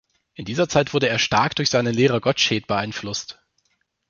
In dieser Zeit wurde er stark durch seinen Lehrer Gottsched beeinflusst.